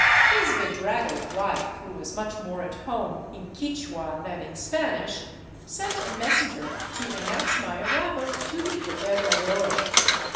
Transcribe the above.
His bedraggled wife, who was much more at home in Quichua than in Spanish, sent a messenger to announce my arrival to the gobernador.